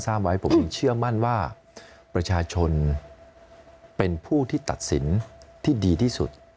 ไว้ผมเชื่อมั่นว่าประชาชนเป็นผู้ที่ตัดสินที่ดีที่สุด